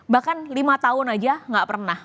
bahkan lima tahun aja nggak pernah